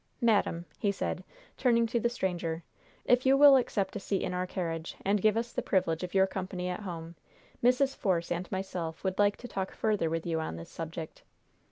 "Madam," he said, turning to the stranger, "if you will accept a seat in our carriage, and give us the privilege of your company at our house, Mrs. Force and myself would like to talk further with you on this subject."